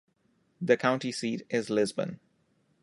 The county seat is Lisbon.